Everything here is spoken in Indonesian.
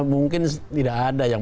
mungkin tidak ada yang